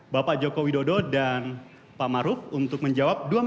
bapak joko widodo dan pak maruf untuk menjawab dua menit silahkan